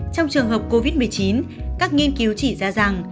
trong trường hợp covid một mươi chín các nghiên cứu chỉ ra rằng